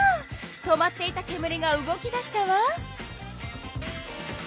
止まっていたけむりが動き出したわ！